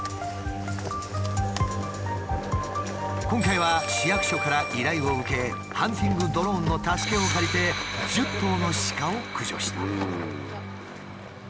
今回は市役所から依頼を受けハンティングドローンの助けを借りて１０頭の鹿を駆除した。